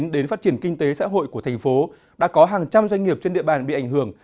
đến phát triển kinh tế xã hội của thành phố đã có hàng trăm doanh nghiệp trên địa bàn bị ảnh hưởng